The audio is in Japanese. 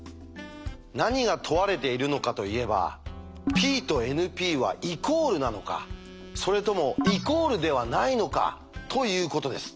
何が問われているのかといえば「ＰとＮＰはイコールなのかそれともイコールではないのか」ということです。